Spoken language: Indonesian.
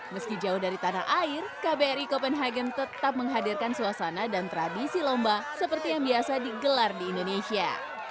meski jauh dari tanah air kbri copenhagen tetap menghadirkan suasana dan tradisi lomba seperti yang biasa digelar di indonesia